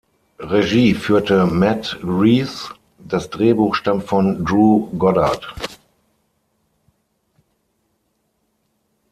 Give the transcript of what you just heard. Regie führte Matt Reeves, das Drehbuch stammt von Drew Goddard.